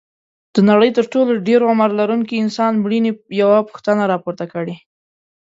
د نړۍ تر ټولو د ډېر عمر لرونکي انسان مړینې یوه پوښتنه راپورته کړې.